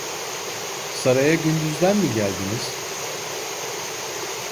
Saraya gündüzden mi geldiniz?